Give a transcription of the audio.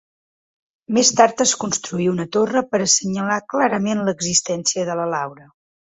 Més tard es construí una torre per assenyalar clarament l'existència de la laura.